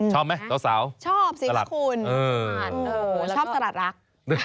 ชอบไหมสาวสลัดคุณชอบสิคุณชอบสลัดรัก